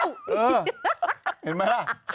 เห็นไหมล่ะ